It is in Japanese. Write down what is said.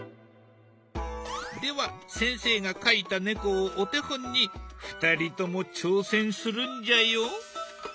では先生が描いた猫をお手本に２人とも挑戦するんじゃよ。